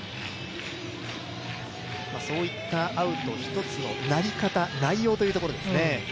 そういったアウト一つのなりかた内容というところですね。